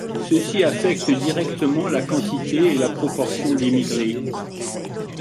Ceci affecte directement la quantité et la proportion d'immigrés.